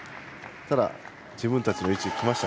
ただ、自分たちの位置できました。